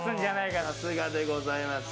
さすがでございます。